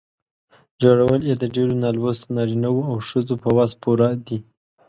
جوړول یې د ډېرو نالوستو نارینه وو او ښځو په وس پوره دي.